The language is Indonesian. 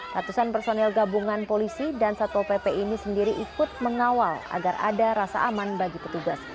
ratusan personil gabungan polisi dan satpol pp ini sendiri ikut mengawal agar ada rasa aman bagi petugas